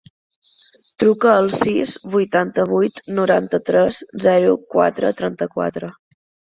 Truca al sis, vuitanta-vuit, noranta-tres, zero, quatre, trenta-quatre.